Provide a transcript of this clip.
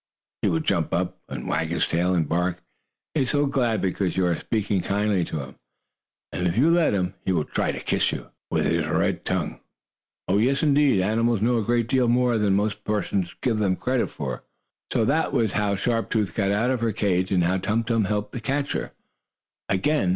He will jump up, and wag his tail, and bark, he is so glad because you are speaking kindly to him. And, if you let him, he will try to kiss you with his red tongue. Oh, yes, indeed, animals know a great deal more than most persons think they do. So that was how Sharp Tooth got out of her cage, and how Tum Tum helped to catch her again.